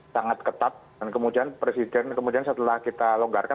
sangat ketat dan kemudian presiden kemudian setelah kita longgarkan